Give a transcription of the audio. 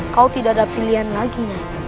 kau tidak ada pilihan lagi